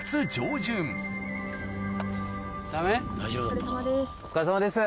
・工藤のお疲れさまです。